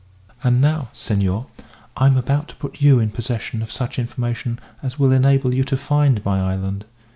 "And now, senor, I am about to put you in possession of such information as will enable you to find my island.